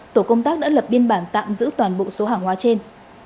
tổ công tác đã lập biên bản tạm giữ toàn bộ số hàng hóa trên